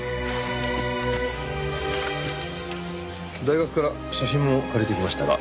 大学から写真も借りてきましたが。